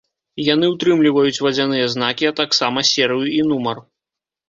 Яны ўтрымліваюць вадзяныя знакі, а таксама серыю і нумар.